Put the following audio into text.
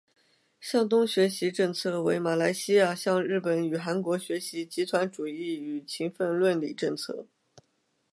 向东学习政策为马来西亚向日本与韩国学习集团主义与勤奋论理政策。